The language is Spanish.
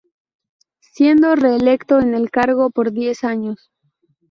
Siendo reelecto en el cargo por diez años.